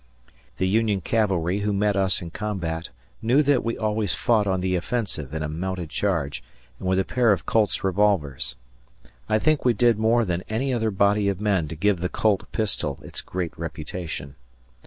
The Union cavalry who met us in combat knew that we always fought on the offensive in a mounted charge and with a pair of Colt's revolvers. I think we did more than any other body of men to give the Colt pistol its great reputation.